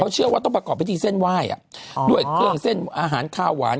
เชื่อว่าต้องประกอบพิธีเส้นไหว้ด้วยเครื่องเส้นอาหารข้าวหวาน